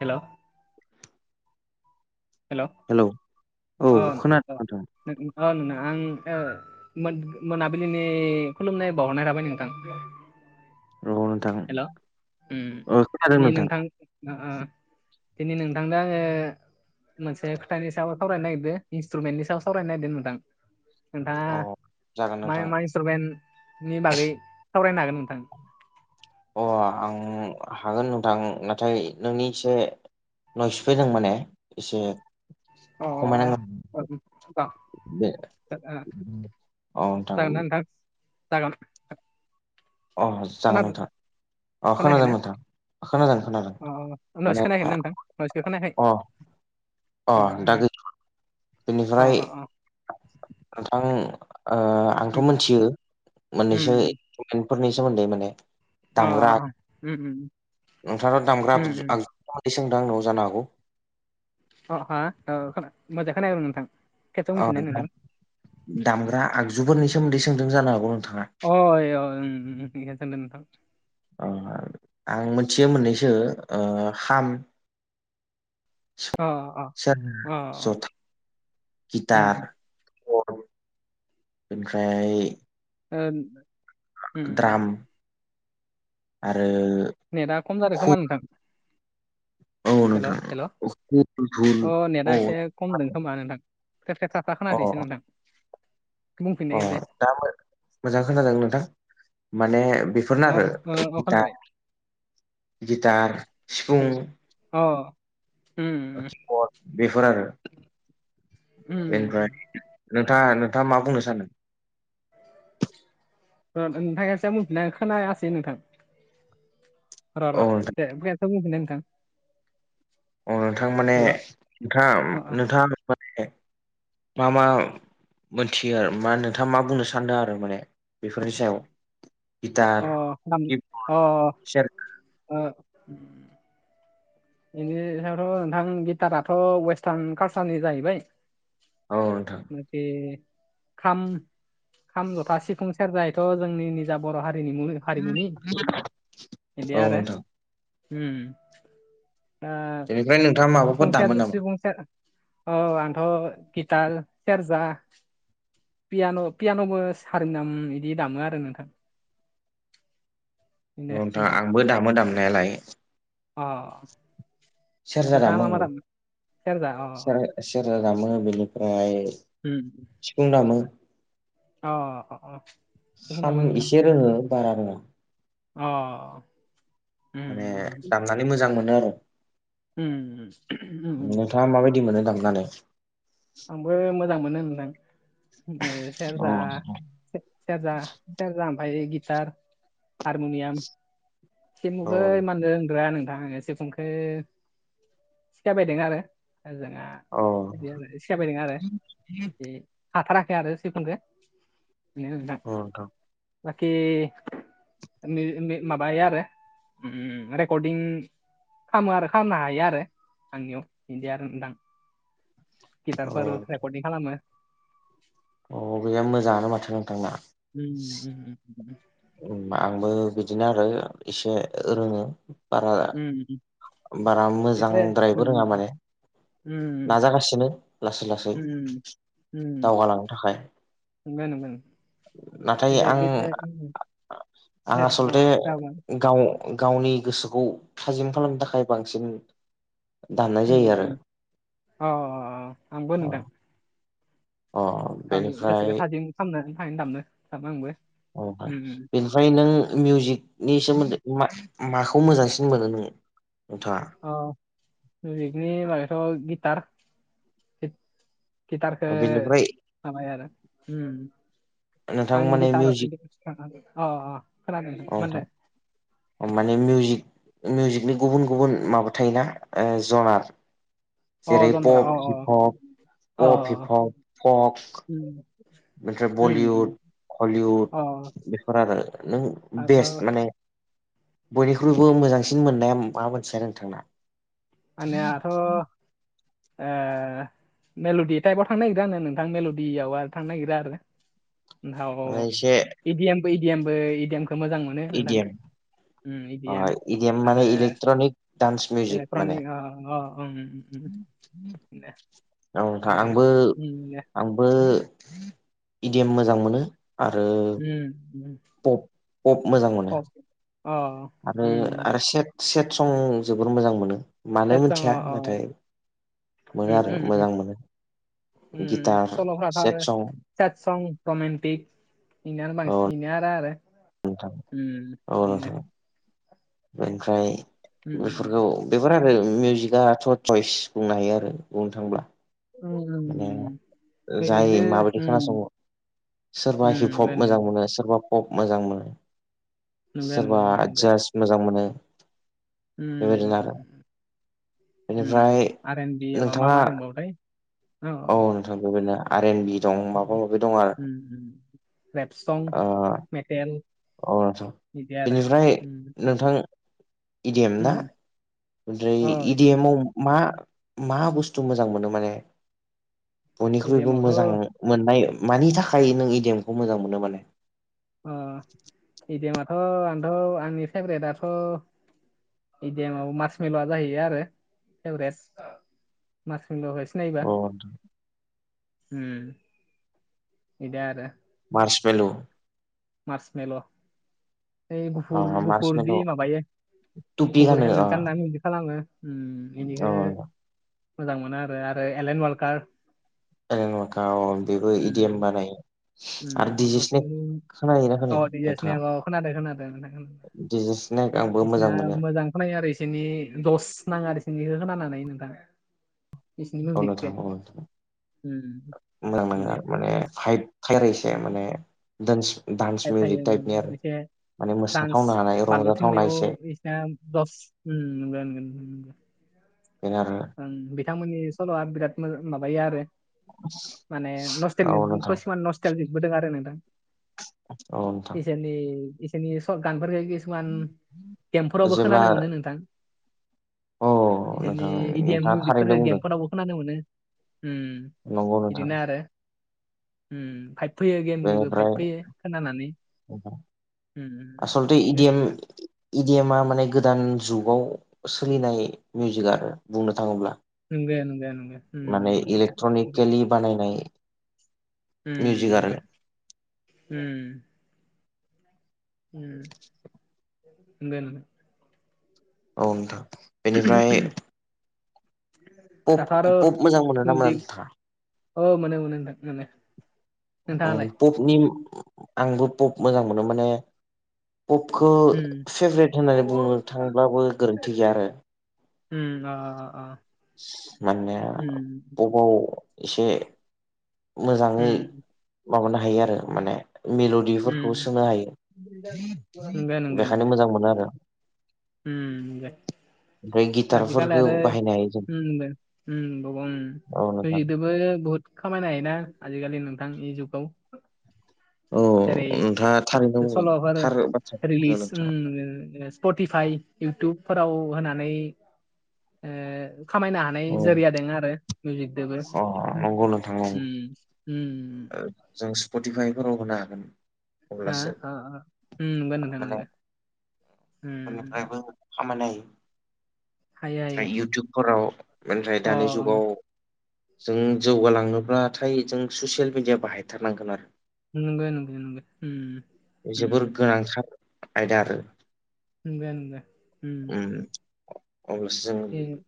हेल' hello अ। Hello औ अ खोनादों नोंथां नोंना आं मोनाबिलिनि खुलुमनाय बावहरनाय राबाय नोंथां। न'आवनो थाङो हेल' दिनै नोंथां। दिनै नोंथांनो आङो मोनसे खोथानि सायाव सावरायनो नागिरदों इन्स्ट्रुमेन्टनि सायाव सावरायनो नागिरदों नोंथां। नोंथाङा अ जागोन मा नोंथां मा इन्सटुरमेन्टनि बागै सावरायनो हागोन नोंथां। अ आं हागोन नोंथां नाथाय नोंनि एसे नय सफैदों माने एसे अ अ खमायनाांगोन जागोन द [unintelligible] औ थां। दागोन अ जागोन नोंंथां अ खोनादों खोनायाखैना नोंथां। खोनादों खोनादों अ उनावसो माने खोनायाखै नोंथां उनावसो खोनायाखै अ अ उम दा उम अ बेनिफ्राय अ अ नोंथां आंथ' उम मोनथियो मोननैसो उम जेनफोरनि सोमोन्दै माने। अ नोंथाङना दामग्रा उम उम आगजुै सोंदों आंन'आव जानो हागौ अ ह मोजां खोन आरो नोंथां। खेबसे औ बुंफिननाय दा नोंथां दामग्रा आगजुफोरनि सोमोन्दै सोंदों जानो हागौ नोंथाङा। अ अ सानदों नोंथां। आं मोनथियो मोननैसो हाम अ सेरजा अ जथा उम उम गिटार कर्ड ओमफ्राय [inaudible] उम उम द्राम आरो नेटआ खम जादों हुक खोमा नोंथां औ हेल' नोंथां हेल' धुल अ नेटआ औ एसे खमदों खोमा नोंथां खेबथे थाफा अ खोनादोंसो नोंथां अ बुंफिननाय खेबसे दा मोजां खोनादों नोंथां माने बेफोरनो अ आरो ओ अ गि खोनाबाय गिटार सिफुं अ उम उम किबर्ड बेफोर आरो उम बेनिफ्राय नोंथाङा नोंथाङा मा बुंनो सानदों नोंथांसोया मोनफिना खोनायासै नोंथां र' र' औ नोंथां खोनायासै बुंफिननाय नोंथां अ नोंथां माने हेल' नोंथाङ अ नोंथाङा माने मा मा मोनथियो आरो मा नोंथाङा मा बुंनो सानदों आरो माने बेफोरनि सायाव गिटार अ अ बेनि सायावथ' नोंथां गिटाराथ' वेस्टार्न कालसारनि जाहैबाय औ नोंथां माथे खाम खाम जथा सिफुं सेरजायथ' जोंनि निजा बर' हारिनि मुङ हारिमुनि औ बेदिया आरो नोंथां बेनिफ्राय नोंथाङा माबाफोर ओ दामो नामा सिफुंस औ आंन्थ' गितार सेरजा पियान' पियान'बो सारि नाम बिदि दामो आरो नोंथां लांदां ओ नोंथां आंबो दामो दामनायालाय अ सेरजा नोंथाङा दामोे मा मा दामो सेरजा अ आं सेरजा दामो बेनिफ्राय होम सिफुं दामो अ अ अह सिफुं दामो नोंथां ओ बारा रोङा अ माने उम दामनानै मोजां मोनो आरो उम ओम ओम नोंथाङा माबायदि मोनो दामनानै आंबो मोजां मोनो होनदों औ सेरजा सेरजा सेरजा ओमफाय गितार हारमुनियाम औ सेमुहै मानदों रोंद्रा नोंथां सिफुंखो सिखायबाय दों आरो ओजोंहा अ रोङा आरो हाथाराखै आरो सिफुंखौ बेनो नोंथां अ नोंथां बाखि माबायो आरो ओम रेकर्डिं खालामो आरो खालामनो हायो आरो आंनियाव बिदि आरो नोंथां गिटारफोर औ रेकर्डिं खालामो अ गैया मोजाङानो माथो नोंथांना उम आंबो बिदिनो आरो इसे रोङो बारा उम बारा एसे उम मोजांद्रायबो रोङा माने उम नाजागासिनो लासै लासै उम दावगालांनो थाखाय नाथाय आं बुजिया आं आसलथे गाव गावनि गोसोखौ थाजिम खालामनो थाखाय बांसिन दामनाय जायो आरो अ आंबो अ नुदों। अ गावनि गोसोखौ बेनिफ्राय थाजिम खालामामनानै थाहैनो थामनो थाम आंबो औ उम उम बे फ्राय नों मिउजिकनि सोमोन्दै माखौ मोजांसिन मोनो नों नोंथाङा अ मिउजिकनि माबथ' गिटार कि थारख बेनिफ्राय हाबाय आरो नोंथां आं माने गिथार मिउजिक अ खोनादों माने माने मिउजिक मिउजिकनि गुबुन गुबुन माबा थायोना जनार अ जेरै जन्द्रा पप अ अ हिफब पप अ हिफब कक उम बेनिफ्राय उम उम बलिउड हलिउद अ बेफोर आरो नों आंथ' बेस्ट माने बयनिख्रुइबो मोजांसिन मोननाया मा मोनथिया नोंथांना आनियाथ' आ मेल'दि टाइपआव थांनो नागिरा नोंथां मेल'डियाव आरो थांनो नागिरा आरो औ माने एसे इडिएमबो इडिएमबो इडिएमखौ मोजां मोनो। इडि नोंथां M um idiom E D M माने इलेक्ट्रनिक दान्स मिउजक ट्रनिक ओ ओ ओं औ था आरो आंबो उम दे आंबो इदिएम मोजां मोनो आरो उम पप पप मोजां मोनो अके अ आरो आरो सेट सं जोबोर मोजां मोनो। मानो सेतसं मोनथिया अ अ नाथाय उम मोनो आरो उम उम मोजां मोनो। उम गिटार सल ह द आरो सेट सं सट सं रमन्टिक बेनिानो औ बांसिन बेनो आरो आरो औ बेनो बेनिफ्राय बेफोरखौ बेफोर आरो मिउजिकआथ' चयस बुंनो हायो आरो बुंनो थांब्ला माने जाय माबायदि बेजोंबो खोनासङो सोरबा हिप नंगौ हप मोजां मोनो सोरबा पप मोजां मोनो। नंगौ नंगौ सोरबा नंगौ जास्ट मोजां मोनो। बेबायदिनो आरो बेनिफ्राय आर एन बि मा मा नोंथाङा मा दंबावथाय अ औ नोंथां बेना आर एन बि दं माबा माबि दं आरो रेप सं अ मेटेल आचसा बिदि आरो बेनिफ्राय नोंथां इडिएम ना ओमफ्राय ओइ इडिएमाव मा मा बुस्थु मोजां मोनो माने बयनिख्रुइबो इडिएमावथ' मोजां मोननाय मानि थाखाय नों इडेमखौ मोजां मोनो माने अ इडामाथ' आंथ' आंनि फेभरेटआथ' इदियामाव मार्स मिल' जाहैयो आरो एभारेस् मार्स मिल' नायबा अ उम बिदा आरो मार्स मेल' मार्स मेल' ओइ गुफुर अ मार्स गुफुर मेल' बि माबायो टुपि गुफुर गानो अ हेलमेट गाननानै बिदि खालामो उम बेनिखाय अ मोजां मोनो आरो आरो एलेन वालकार नखा अ बेबो उम इदिऐम बानायो उम आरो दिजेस्नेक खोनायोना खोनाया नोंसोरनि [unintelligible] खोनादों खोनादों नोंथां खोनादों डजेस्नेक आंबो मोजां मोनो। खौ नायो आरो इसोरनि दस नाङो आरो इसोरनि खोनानानै नोंथां। बिसिनि मावनो मिउजिकखौ थाङो मोजां बेनो नङा माने हाइट थारायसे माने दोनस आ थायो एसे माने दान्स मोसाथावनो हानाय बारलु रंजाथावना थिंनायाव एसे बिसिना दस उम मोनगोनगोन बेनो आरो बिथांमोननि सल'आ बिराद माबायो आरो माने नस्टेल औ नोंथां कसुमान नस्टेल लिदबोदोङो आरो नोंथां औ नोंथां इसोरनि इसोरनि सब गानफोरखौ किसुमान गेमफोरावबो जेब्ला खोनानो मोनो नोंथां औ बिसोरनि नोंथां इदियेम नोंथाङा थारैनो मिउजिकफोरखो बुंदों गेम फोरावबो खोनानो मोनो उम नंगौ नोंथां बिदिनो आरो उम भाइभ फैयो गेमनिबो भाइभ फैयो खोनानानै उम आससलथे उम बेनो इदिएम नोंथां इडिएमा माने गोदान जुगाव सोलिनाय मिउजिक आरो बुंनो थाङोब्ला नोंगो नोंगो नोंगो उम माने नोंगो इलेक्ट्रनिकेलि बानायनाय मिउजिक आरो उम-म नोंगो उम उम नोंगो नोंगो औ नोंथां बेनिफ्राय [unintelligible] पब आरो पब मोजां मोनो ना मोना मिउजिक नोंथाङा? औ मोनो मोनो नोंथां मोनो। नोंथाङालाय पपनि आंबो पप मोजां मोनो माने पपखौ उम फेभ्रेट होननानै बुंनो थांब्लाबो गोरोन्थि गैया आरो। उम अ अ अ। माने उम बबाव एसे मोजाङै उम माबानो हायो आरो माने मिल बिफोरखौ उम सोलो हायो नंगो बेखायनो मोजां मोनो आरो होम दे ओमफ्राय गिटारफोरफोरखौ बाहायनाय उम दे उम बवाव उम औ फाय नोंथां इदोंबो बहुद खामायनो हायोना आजिखालि नोंथांनि जुगाव औ जेरै नोंथाङा थारैनो स'ल बुंदों आरो थार बाथ्राखौनो बुंदों रिलिस उम नोंथाङा होनो फिफाइ इउटुबफोराव होनानै ओ खामायनो हा नाय औ जोरिया दोङो आरो मिउजिकदोबो अ नंगौ नोंथां औ उम‌उम जों स्पटिफाइ फोरावबोना खौ होनो हागोन हा अब्लासो ओ ओ उम नंगो नोंथां नंगो [unintelligible] उम निफ्रायबो खामायनो हायो हायो हायो ओमफ्राय इउटुबफोराव ओमफ्राय अ दानि ओं जुगाव जों जौगाालांनोब्लाथाय जों ससियेल मिडिया बाहायथारनांगोन आरो नोंगौ नोंगौ नोंगौ उम आरो उम जोबोर गोनांथार आयदा आरो नोंगो नोंगो उम अब्लासो जों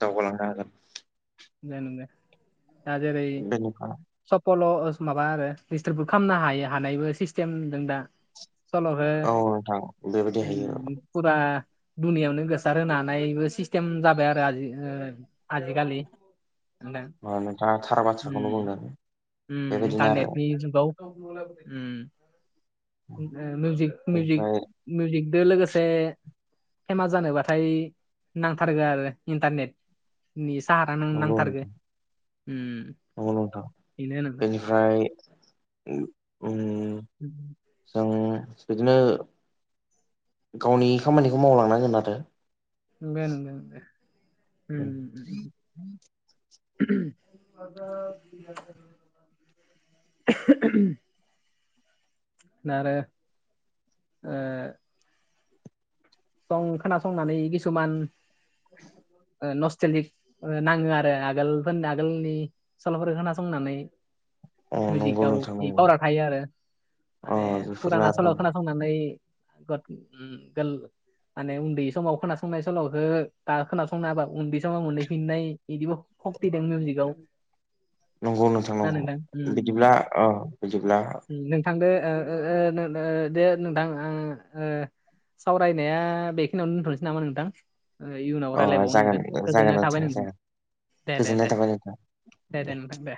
दावगालांनो हागोन। [unintelligible] बेनिफ्राय सफल' माबा आरो डिजिटेलबो खालामनो हायो हानायबो सिस्टेमदों दा। [unintelligible] औ नोंथां बेबायदि हायो फुरा दुनिायावनो गोसार होनोनो हानायबो सिस्टेम जाबाय आरो आ आजिखालि एदा थ नोंथाङा थार बाथ्राखौनो बुंदों बेबायदिनो आरो ग मिज बेनिफ्राय मिउजिक दो लोगोसे फेमास जानोबाथाय नांथारगो आरो इन्टारनेटनि साहा दा नों नंगौ नांथारगो। नोंथां उम। नंगौ नोंथां बेनो नोंथां बेनिफ्राय उम उम। जों बिदिनो गावनि खामानिखौ मावलांनांगोन आरो। [unintelligible] [unintelligible] [inaudible] नारो ओ सं खोनासंनानै खिसुमान ओ नस्टेलिक ओ नाङो आरो आगोलफोरनो आगोलनि सला'फोरखौ खोनासंनानै। अ नंगौ मिउजिकाव नोंथां बे नंगौ पावारा थायो आरो अ माने बेफोरनो फुराना आरो सल' खोना थांनानै [unintelligible] माने उन्दै समाव खोनासंनाय सल'खौ दा खोनासंनो हाबा उन्दै समाव मोनहैफिननाय बिदिबो सक्ति दं मिउजिक आव। नंगौ नोंथां नंगौ बिदिब्ला बिदिब्ला नोंथांदो ओ ओ ओ ओ [unintelligible] बायनाया बेखिनियावनो दोनथ'नोसै नामा नोंथां। इयुनाव अ रायजलायबावनो जागोन नोंगोन जागोन गोजोननाय थाबाय नोंथां। जागोन दे दे दे गोजोननाय थाबाय नोंथां दे दे नोंथां दे।